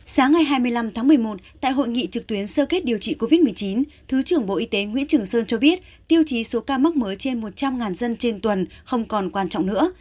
sáng ngày hai mươi năm tháng một mươi một tại hội nghị trực tuyến sơ kết điều trị covid một mươi chín thứ trưởng bộ y tế nguyễn trường sơn cho biết tiêu chí số ca mắc mới trên một trăm linh dân trên tuần không còn quan trọng nữa